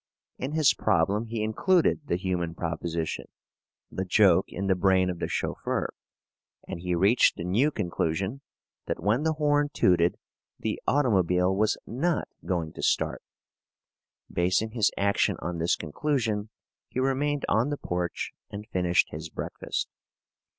In his problem he included the human proposition (the joke in the brain of the chauffeur), and he reached the new conclusion that when the horn tooted the automobile was not going to start. Basing his action on this conclusion, he remained on the porch and finished his breakfast.